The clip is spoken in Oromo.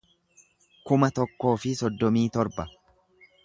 kuma tokkoo fi soddomii torba